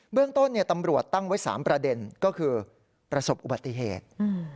เรื่องต้นตำรวจตั้งไว้๓ประเด็นก็คือประสบอุบัติเหตุ